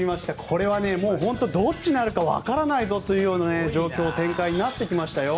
これはもうどっちになるか分からないぞという状況、展開になってきましたよ。